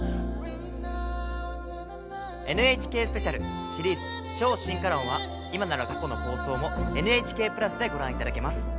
ＮＨＫスペシャルシリーズ「超進化論」は今なら過去の放送もＮＨＫプラスでご覧いただけます。